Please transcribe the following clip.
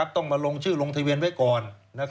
ต้องมาลงชื่อลงทะเบียนไว้ก่อน